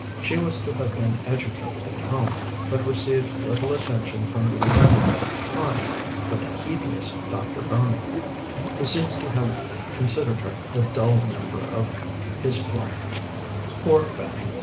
She was to have been educated at home, but received little attention from the learned, kind, but heedless Dr. Burney, who seems to have considered her the dull member of his flock. "Poor Fanny!"